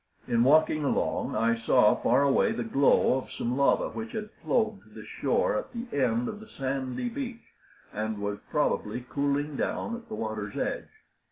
In walking along I saw far away the glow of some lava which had flowed to the shore at the end of the sandy beach, and was probably cooling down at the water's edge.